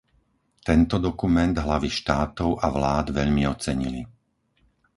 Tento dokument hlavy štátov a vlád veľmi ocenili.